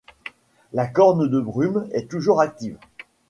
La corne de brume est toujours active.